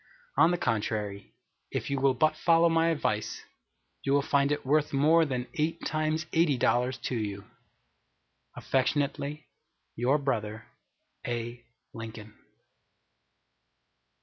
On the contrary, if you will but follow my advice, you will find it worth more than eight times eighty dollars to you. Affectionately your brother, A. LINCOLN.